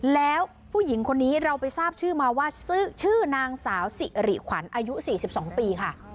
แล้วผู้หญิงคนนี้เราไปทราบชื่อมาว่าชื่อนางสาวสิริขวัญอายุ๔๒ปีค่ะ